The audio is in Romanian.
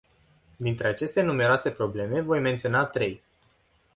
Dintre aceste numeroase probleme voi menționa trei.